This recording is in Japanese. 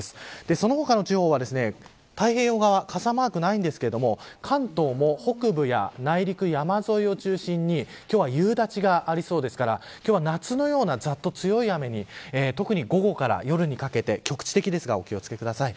その他の地方は太平洋側、傘マークないんですが関東も北部や内陸、山沿いを中心に今日は夕立がありそうですから今日は夏のようなざっと強い雨に特に午後から夜にかけて局地的ですがお気を付けください。